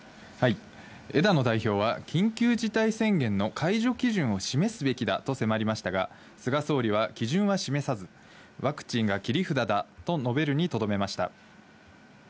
枝野代表は、緊急事態宣言の解除基準を示すべきだと迫りましたが、菅総理は基準は示さず、ワクチンが切り札と述べるにとどめました。